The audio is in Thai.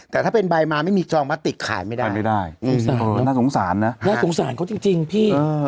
แต่ถ้าเป็นใบมาไม่มีซองพลาสติกขายไม่ได้